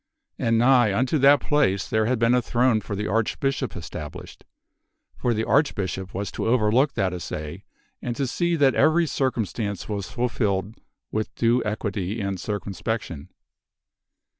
And nigh unto that place there had been a throne for the Archbishop established ; for the Archbishop was to overlook that assay and to see that every circumstance was fulfilled with due equity and circumspection.